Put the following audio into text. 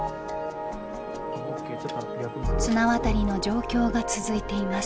綱渡りの状況が続いています。